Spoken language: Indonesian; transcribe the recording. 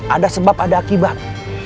ada sebab ada akibat